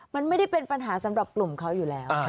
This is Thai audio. มันไม่ได้เป็นปัญหาสำหรับกลุ่มเขาอยู่แล้ว